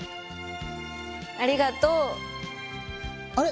ありがとう。あれ？